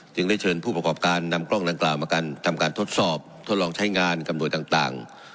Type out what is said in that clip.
ได้เชิญผู้ประกอบการนำกล้องดังกล่าวมากันทำการทดสอบทดลองใช้งานกำหนดต่าง